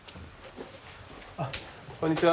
あこんにちは。